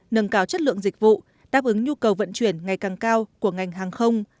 nâng cao chất lượng dịch vụ đáp ứng nhu cầu vận chuyển ngày càng cao của ngành hàng không